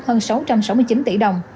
hơn sáu trăm sáu mươi chín tỷ đồng